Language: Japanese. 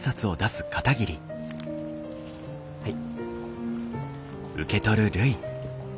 はい。